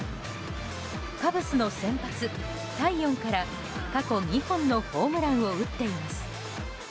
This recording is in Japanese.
カブスの先発、タイヨンから過去２本のホームランを打っています。